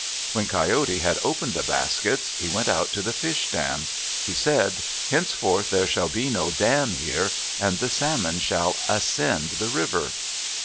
When Coyote had opened the baskets, he went out to the fish dam. He said, "Henceforth, there shall be no dam here, and the salmon shall ascend the river!"